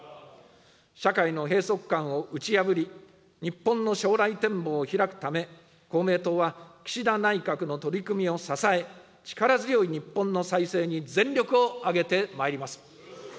社会の閉塞感を打ち破り、日本の将来展望を開くため、公明党は岸田内閣の取り組みを支え、力強い日本の再生に全力を挙げてまいります。